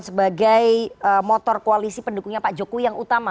sebagai motor koalisi pendukungnya pak jokowi yang utama